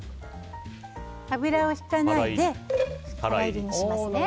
油をひかないで乾いりにしますね。